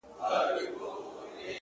سپوږمۍ په لپه کي هغې په تماسه راوړې ـ